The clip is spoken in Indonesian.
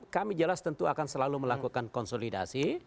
kami jelas tentu akan selalu melakukan konsolidasi